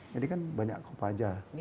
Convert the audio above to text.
jadi kan banyak kopaja